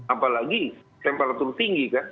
apalagi temperatur tinggi